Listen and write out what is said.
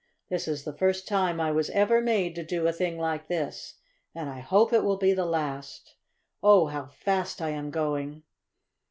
"This is the first time I was ever made to do a thing like this, and I hope it will be the last! Oh, how fast I am going!"